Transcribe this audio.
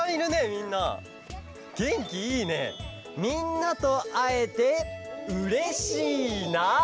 みんなとあえてうれしいな！